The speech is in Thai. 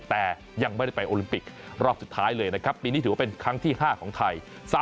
แต่ยังไม่ได้ไปโอลิมปิกรอบสุดท้ายเลยนะครับปีนี้ถือว่าเป็นครั้งที่๕ของไทย